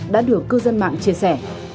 đã được cư dân mạng chia sẻ